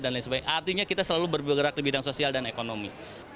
artinya kita selalu bergerak di bidang sosial dan ekonomi